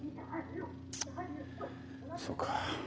そうか。